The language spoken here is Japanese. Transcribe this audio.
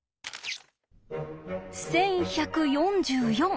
１１４４。